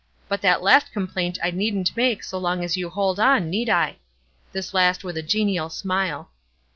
But that last complaint I needn't make so long as you 'hold on,' need I?" This last with a genial smile.